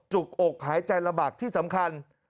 จุกอกหายใจระบักที่สำคัญ